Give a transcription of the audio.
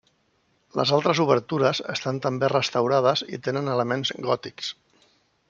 Les altres obertures estan també restaurades i tenen elements gòtics.